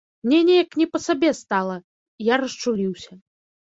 Мне неяк не па сабе стала, я расчуліўся.